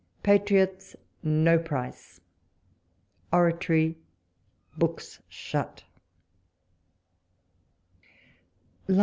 Patriots, no price. Oratory, books shut.